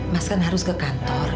mas kan harus ke kantor